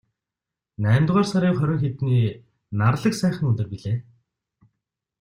Наймдугаар сарын хорин хэдний нарлаг сайхан өдөр билээ.